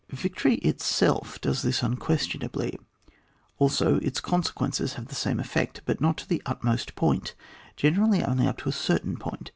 Victory itself does tliis unquestionably; also its conse quences have the same effect, but not to the utmost point — ^generally only up to a certain point.